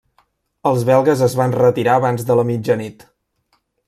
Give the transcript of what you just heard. Els belgues es van retirar abans de la mitjanit.